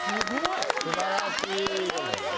すばらしい！